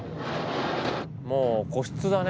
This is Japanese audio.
もう個室だね。